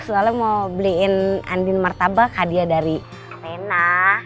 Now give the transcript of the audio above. soalnya mau beliin andin martabak hadiah dari pena